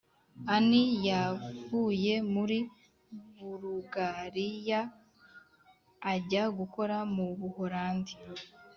ani yavuye muri bulugariya ajya gukora mu buholandi